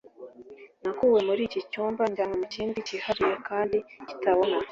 nakuwe muri iki cyumba njyanwa mu kindi cyihariye kandi kitabona